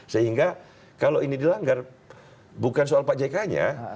sehingga kalau ini dilanggar bukan soal pak jk nya